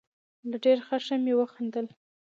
له ډېر خښم مې وخندل.